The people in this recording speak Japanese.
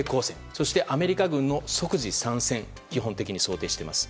そしてアメリカ軍の即時抗戦を基本的に想定しています。